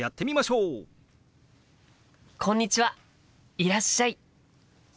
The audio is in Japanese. いらっしゃい。